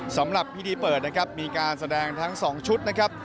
สำหรับพิธีเปิดนะครับมีการแสดงทั้ง๒ชุดนะครับ